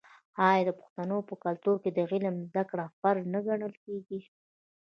آیا د پښتنو په کلتور کې د علم زده کړه فرض نه ګڼل کیږي؟